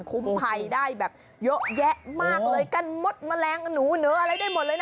คุ้มภัยได้แบบเยอะแยะมากเลยกันหมดแมลงหนูเนื้ออะไรได้หมดเลยนะ